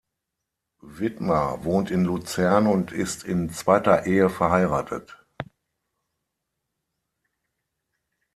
Widmer wohnt in Luzern und ist in zweiter Ehe verheiratet.